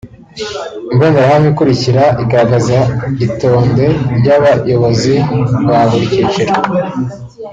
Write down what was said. Imbonerahamwe ikurikira igaragaza itonde ry’abayobozi ba buri cyiciro